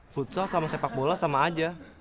futsal sama sepak bola sama aja